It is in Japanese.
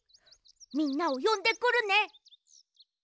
みんなをよんでくるね。